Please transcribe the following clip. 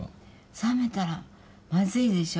冷めたらまずいでしょ。